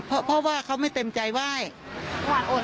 เพราะว่าเขาไม่เต็มใจไหว้หวานอด